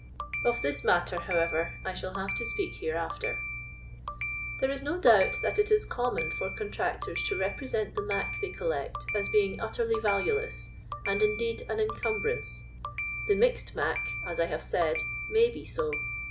Of this matter, however, I shall have to speak hereafter. There is no doubt that it is common for con tractors to represent the "mac" they collect as being utterly valueless, and indeed an incum brance. The " mixed mac," as I have said, may be to.